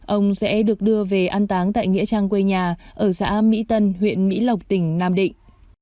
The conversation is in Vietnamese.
ông sẽ được đưa về an táng tại nghĩa trang quê nhà ở xã mỹ tân huyện mỹ lộc tỉnh nam định